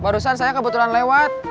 barusan saya kebetulan lewat